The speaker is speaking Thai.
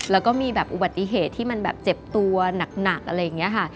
แล้วก็มีแบบอุบัติเหตุที่มันแบบเจ็บตัวหนักอะไรอย่างนี้ค่ะ